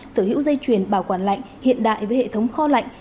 sở hữu dây chuyền bảo quản lạnh hiện đại với hệ thống kho lạnh